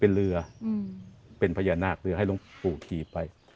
เป็นเรือเป็นพญานาคเรือให้หลวงปู่ขี่ไป